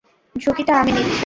ঝুঁকিটা আমি নিচ্ছি।